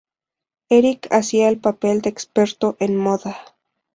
Erik hacía el papel de experto en moda.